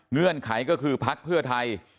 เงื่อนไขก็คือพักเพื่อไทย